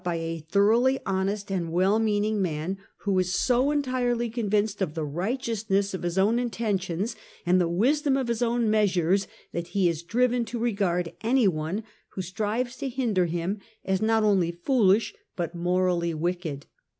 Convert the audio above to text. by a thoroughly honest and well meaning man, who is so entirely convinced of the righieousness of his own inten tions and the wisdom of his own measures, that he is driven to regard any one who strives to hinder him as not ' only foolish but morally wicked.